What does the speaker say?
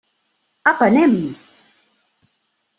Apa, anem!